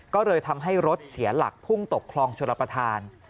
ก็เลยทำให้รถเสียหลักพุ่งตกคลองชลประธาน